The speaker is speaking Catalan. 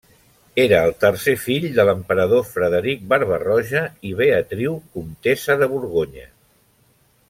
Era el tercer fill de l'emperador Frederic Barba-roja i Beatriu, comtessa de Borgonya.